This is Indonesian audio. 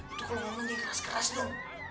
itu kalau ngomongnya yang keras keras dong